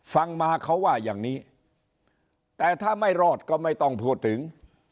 ฟังมาเขาว่าอย่างนี้แต่ถ้าไม่รอดก็ไม่ต้องพูดถึง